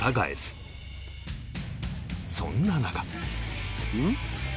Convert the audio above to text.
そんな中